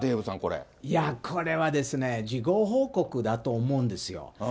いや、これは事後報告だと思うんですよ。